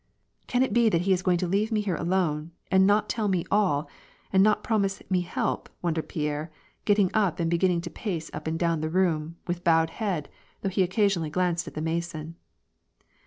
" Can it be that he is going to leave me here alone, and not tell me all, and not promise me help," wondered Pierre, getting up, and beginning to pace up and down the room, with bowed head, though he occasionally glanced at the Mason.